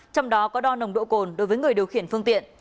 trong đó có đo nồng độ cồn đối với người điều khiển phương tiện